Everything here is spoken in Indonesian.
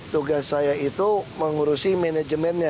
tugas saya itu mengurusi manajemennya